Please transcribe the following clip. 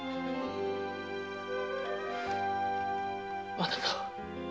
あなたは？